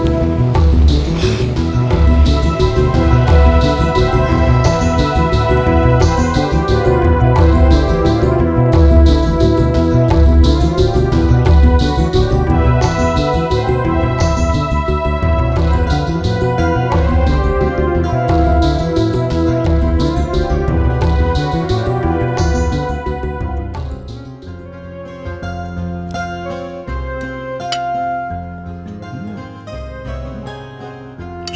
masak kek kek